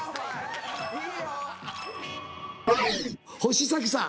星咲さん